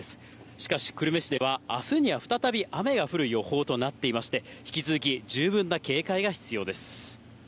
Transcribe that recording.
しかし久留米市ではあすには再び雨が降る予報となっていまして、引き続き十分な警戒が必要です。